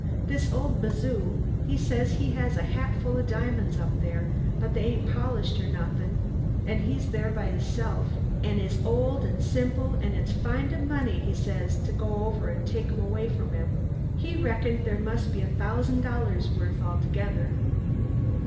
This old bazoo, he says, has a hatful o' diamonds up there, but they ain't polished or nothin' an' he's there by hisself, an' is old an' simple, an' it's findin' money, he says, to go over an' take 'em away from him. He reckoned there must 'a' been a thousan' dollars' worth altogether.